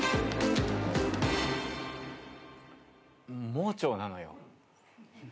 盲腸なのよ。